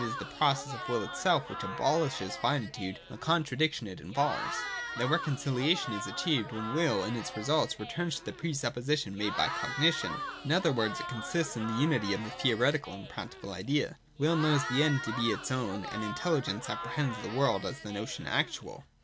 is the process of Will itself which abolishes finitude and the contradiction it involves. The reconciliation is achieved, 234 236 ] WILL, 373 when Will in its result returns to the pre supposition made by cognition. In other words, it consists in the unity of the theoretical and practical idea. Will knows the end to be its own, and Intelligence apprehends the world as the notion actual.